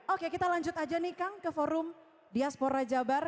oke kita lanjut aja nih kang ke forum diaspora jabar